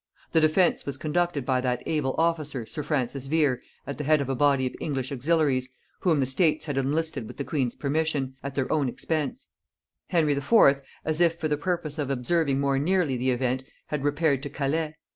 The defence was conducted by that able officer sir Francis Vere at the head of a body of English auxiliaries, whom the States had enlisted with the queen's permission, at their own expense. Henry IV., as if for the purpose of observing more nearly the event, had repaired to Calais.